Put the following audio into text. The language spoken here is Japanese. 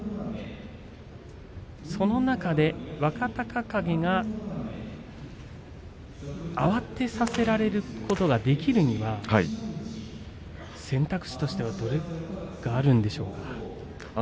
その中で若隆景が慌てさせられることができるには選択肢としてはどれがあるんでしょうか。